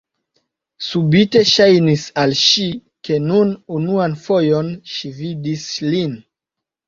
Subite ŝajnis al ŝi, ke nun unuan fojon ŝi vidis lin.